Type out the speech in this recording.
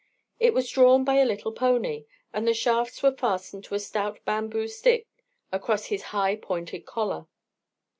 It was drawn by a little pony, and the shafts were fastened to a stout bamboo stick across his high pointed collar.